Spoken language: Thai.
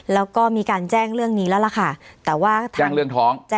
แล้วก็มีการแจ้งเรื่องนี้แล้วล่ะค่ะแต่ว่าแจ้งเรื่องท้องแจ้ง